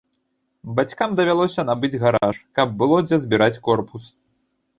Бацькам давялося набыць гараж, каб было дзе збіраць корпус.